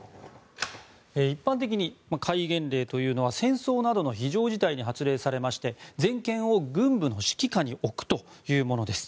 一般的に戒厳令というのは戦争などの非常事態に発令され全権を軍部の指揮下に置くというものです。